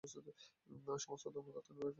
সমস্ত কর্ম তাৎক্ষণিকভাবে ফিরে আসে না।